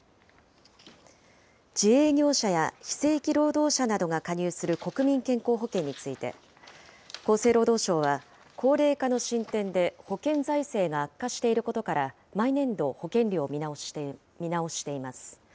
自営業者や非正規労働者などが加入する国民健康保険について、厚生労働省は高齢化の進展で保険財政が悪化していることから、毎年度、保険料を見直しています。